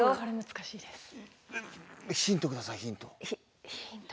ヒント下さいヒント。